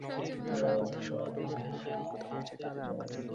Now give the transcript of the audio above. সম্ভব হলে আপনাকে তার একটু প্রমাণ দেখাতে পারি।